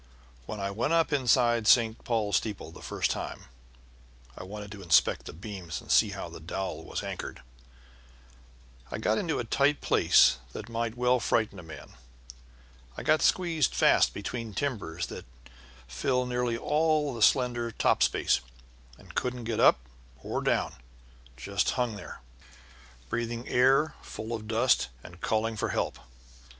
When I went up inside St. Paul's steeple the first time (I wanted to inspect the beams, and see how the dowel was anchored) I got into a tight place that might well frighten a man. I got squeezed fast between timbers that fill nearly all the slender top space, and couldn't get up or down, but just hung there, breathing air full of dust and calling for help.